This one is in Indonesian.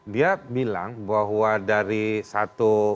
dia bilang bahwa dari satu